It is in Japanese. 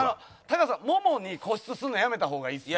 タカさん腿に固執するのやめた方がいいっすよ。